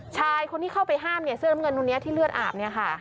ชายคนที่เข้าไปห้ามเสื้อน้ำเงินนู้นนี้ที่เลือดอาบ